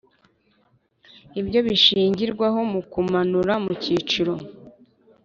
Ibyo bishingirwaho mu kumanurwa mu cyiciro